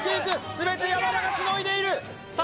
全て山田がしのいでいるさあ